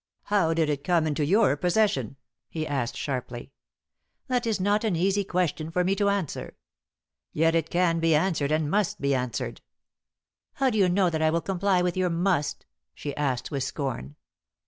"How did it come into your possession?" he asked, sharply. "That is not an easy question for me to answer." "Yet it can be answered, and must be, answered." "How do you know that I will comply with your 'must'?" she asked, with scorn.